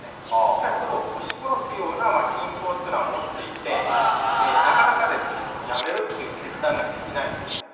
しかしそれを押し殺すような信仰というのは持っていて、なかなかやめるっていう決断ができないんです。